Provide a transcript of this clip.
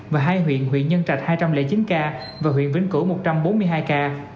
và hai huyện huyện nhân trạch hai trăm linh chín ca và huyện vĩnh cửu một trăm bốn mươi hai ca